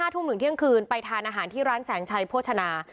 ทุ่มถึงเที่ยงคืนไปทานอาหารที่ร้านแสงชัยโภชนา